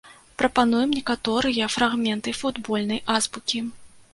Прапануем некаторыя фрагменты футбольнай азбукі.